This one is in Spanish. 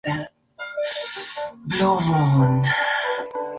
Magnífico mirador de la localidad de Andorra y rodeada del Parque Municipal San Macario.